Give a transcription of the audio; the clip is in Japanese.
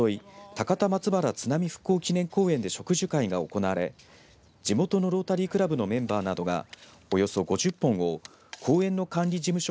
高田松原津波復興祈念公園で植樹会が行われ地元のロータリークラブのメンバーなどがおよそ５０本を公園の管理事務所